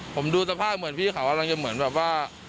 ผมดูสภาพเหมือนพี่เขากำลังจะเหมือนแบบว่า